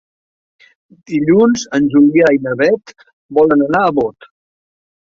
Dilluns en Julià i na Beth volen anar a Bot.